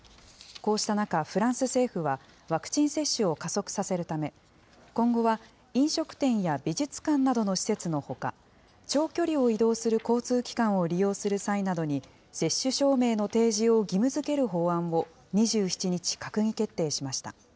こうした中、フランス政府は、ワクチン接種を加速させるため、今後は飲食店や美術館などの施設のほか、長距離を移動する交通機関を利用する際などに接種証明の提示を義務づける法案を２７日、閣議決定しました。